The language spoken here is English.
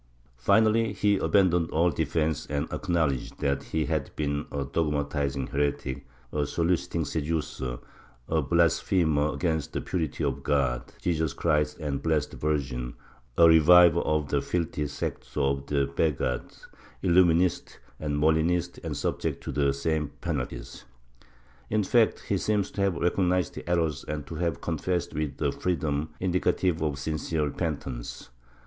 Finally he abandoned all defence and acknowledged that he had been a dogmatizing heretic, a soliciting seducer, a blasphemer 74 MYSTICISM [Book VIII against the purity of God, Jesus Christ and the Blessed Virgin, a reviver of the filthy sects of the Begghards, lUuminists and Moli nists and subject to the same penalties. In fact he seems to have recognized his errors and to have con fessed with a freedom indicative of sincere repentance.